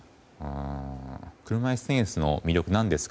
車いすテニスの魅力なんですか？